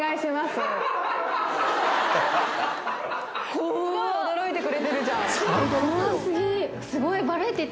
すごい驚いてくれてるじゃん